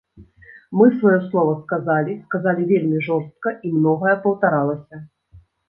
Мы сваё слова сказалі, сказалі вельмі жорстка, і многае паўтаралася.